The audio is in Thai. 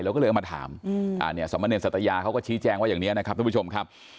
แล้วก็เลยเอามาถามสมเนรสัตยาเขาก็ชี้แจงว่าอย่างนี้นะครับทุกผู้ชมครับ